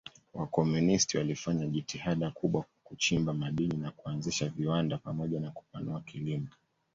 Wakomunisti walifanya jitihada kubwa kuchimba madini na kuanzisha viwanda pamoja na kupanua kilimo.